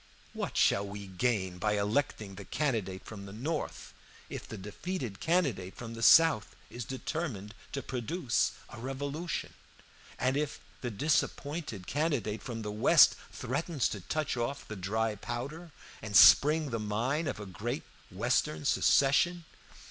What shall we gain by electing the candidate from the North, if the defeated candidate from the South is determined to produce a revolution; and if the disappointed candidate from the West threatens to touch off the dry powder and spring the mine of a great western secession?